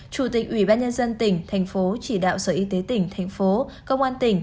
chủ tịch ủy ban nhân dân tỉnh thành phố chỉ đạo sở y tế tỉnh thành phố công an tỉnh